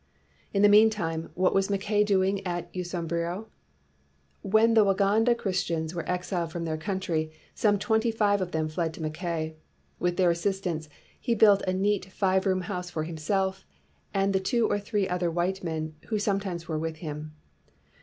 In the meantime, what was Mackay doing at Usambiro? When the Waganda Chris tians were exiled from their country, some twenty five of them fled to Mackay. With their assistance, he built a neat five room house for himself and the two or three other white men who sometimes were with him.